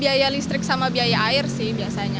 biaya listrik sama biaya air sih biasanya